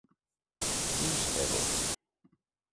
- Ի՞նչ թե որ: